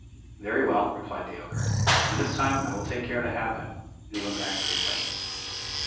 "Very well," replied the ogre, "and this time I will take care to have him," and he went back to his lake.